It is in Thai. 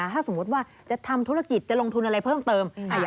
ถ้าสมมุติว่าจะทำธุรกิจจะลงทุนอะไรเพิ่มเติม